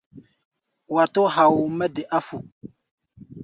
Wa tó hao mɛ́ de áfuk.